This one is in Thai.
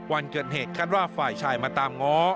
วันเกิดเหตุคาดว่าฝ่ายชายมาตามง้อ